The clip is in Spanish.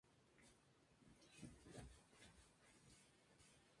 Algunos de los efectos especiales son producidos por un estudio en Hollywood.